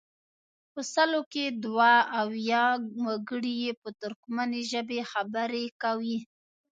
په سلو کې دوه اویا وګړي یې په ترکمني ژبه خبرې کوي.